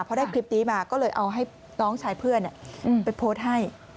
พอได้คลิปนี้มาก็เลยเอาให้น้องชายเพื่อนไปโพสต์ให้